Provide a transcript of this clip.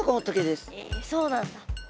えそうなんだ。